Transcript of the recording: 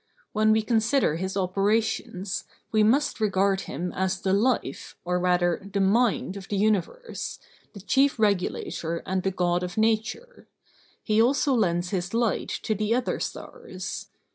When we consider his operations, we must regard him as the life, or rather the mind of the universe, the chief regulator and the God of nature; he also lends his light to the other stars.